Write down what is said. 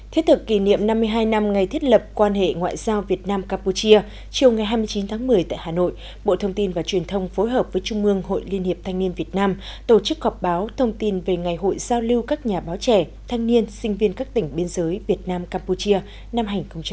thiết thực kỷ niệm năm mươi hai năm ngày thiết lập quan hệ ngoại giao việt nam campuchia chiều ngày hai mươi chín tháng một mươi tại hà nội bộ thông tin và truyền thông phối hợp với trung mương hội liên hiệp thanh niên việt nam tổ chức họp báo thông tin về ngày hội giao lưu các nhà báo trẻ thanh niên sinh viên các tỉnh biên giới việt nam campuchia năm hai nghìn một mươi chín